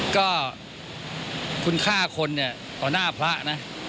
ก็คุณฆ่าคนต่อหน้าพระนะ